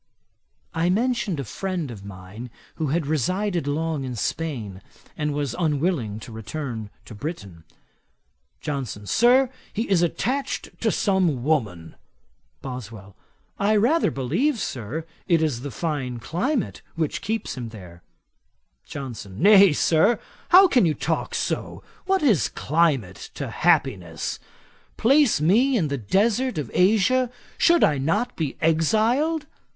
I mentioned a friend of mine who had resided long in Spain, and was unwilling to return to Britain. JOHNSON. 'Sir, he is attached to some woman.' BOSWELL. 'I rather believe, Sir, it is the fine climate which keeps him there.' JOHNSON. 'Nay, Sir, how can you talk so? What is climate to happiness? Place me in the heart of Asia, should I not be exiled?